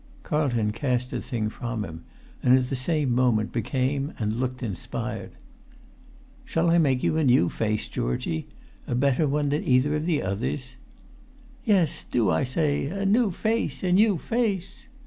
Carlton cast the thing from him, and at the same moment became and looked inspired. [Pg 267]"Shall I make you a new face, Georgie? A better one than either of the others?" "Yes, do, I say! A new face! A new face!"